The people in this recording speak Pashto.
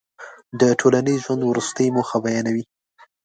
د ټولنیز ژوند وروستۍ موخه بیانوي.